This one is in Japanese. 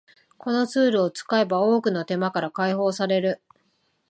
このツールを使えば多くの手間から解放される